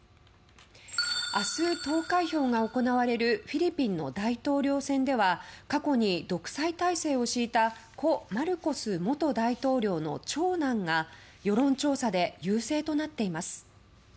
明日、投開票が行われるフィリピンの大統領選では過去に独裁体制を敷いた故マルコス元大統領の長男が世論調査で優勢となっています。